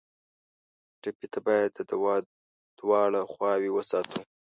ټپي ته باید د دوا دواړه خواوې وساتو.